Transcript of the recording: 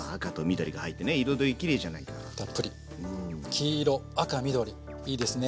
黄色赤緑いいですね。